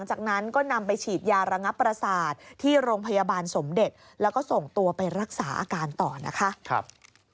จากนั้นก็นำไปฉีดยาระงับประสาทที่โรงพยาบาลสมเด็จแล้วก็ส่งตัวไปรักษาอาการต่อนะคะ